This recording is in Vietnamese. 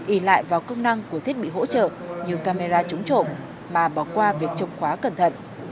ý lại vào công năng của thiết bị hỗ trợ như camera chúng trộm mà bỏ qua việc chống khóa cẩn thận